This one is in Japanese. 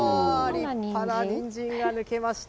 立派なニンジンが抜けました！